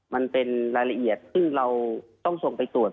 มันเป็นรายละเอียดซึ่งเราต้องส่งไปตรวจ